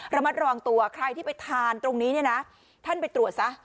ระมัดระวังตัวใครที่ไปทานตรงนี้เนี่ยนะท่านไปตรวจซะ